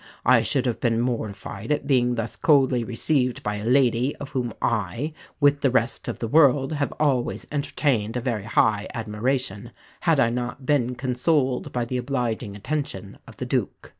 I should have been mortified at being thus coldly received by a lady of whom I, with the rest of the world, have always entertained a very high admiration, had I not been consoled by the obliging attention of the Duke."